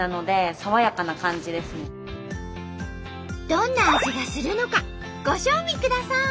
どんな味がするのかご賞味ください！